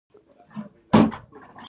د کاغذ واردات ګران شوي؟